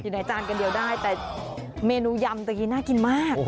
ในจานกันเดียวได้แต่เมนูยำตะกี้น่ากินมาก